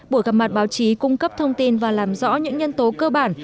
buổi gặp mặt báo chí cung cấp thông tin và làm rõ những nhân tố cơ bản